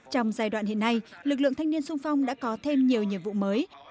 trong giai đoạn hiện nay lực lượng thanh niên sung phong đã có thêm nhiều nhiệm vụ mới